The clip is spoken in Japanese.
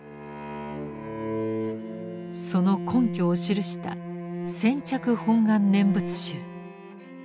その根拠を記した「選択本願念仏集」。